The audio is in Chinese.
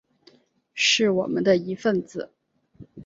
是我们的一分子